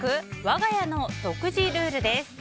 わが家の独自ルールです。